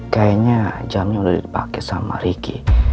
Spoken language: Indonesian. kayaknya jamnya udah dipake sama riki